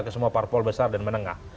ke semua parpol besar dan menengah